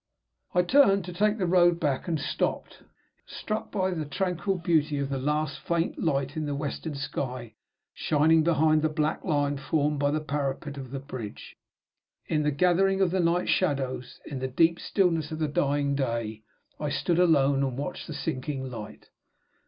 I turned to take the road back, and stopped, struck by the tranquil beauty of the last faint light in the western sky, shining behind the black line formed by the parapet of the bridge. In the grand gathering of the night shadows, in the deep stillness of the dying day, I stood alone and watched the sinking light.